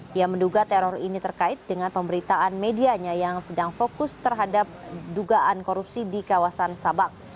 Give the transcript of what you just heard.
dia menduga teror ini terkait dengan pemberitaan medianya yang sedang fokus terhadap dugaan korupsi di kawasan sabang